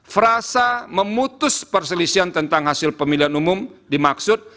frasa memutus perselisihan tentang hasil pemilihan umum dimaksud